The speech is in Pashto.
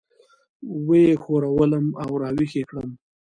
وه یې ښورولم او راويښ یې کړم.